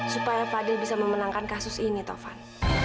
supaya fadil bisa memenangkan kasus ini tovan